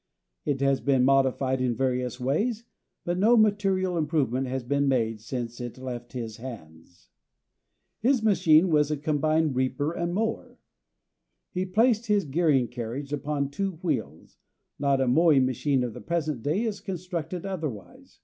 It has been modified in various ways, but no material improvement has been made since it left his hands. [Illustration: HUSSEY REAPER.] His machine was a combined reaper and mower. He placed his gearing carriage upon two wheels, not a mowing machine of the present day is constructed otherwise.